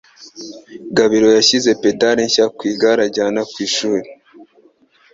Gabiro yashyize pedale nshya ku igare atwara ku ishuri.